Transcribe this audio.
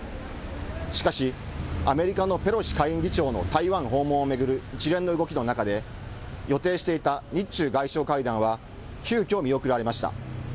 しかし、アメリカのペロシ下院議長の台湾訪問を巡る一連の動きの中で、予定していた日中外相会談は急きょ、見送られました。